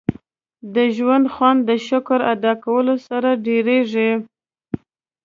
• د ژوند خوند د شکر ادا کولو سره ډېرېږي.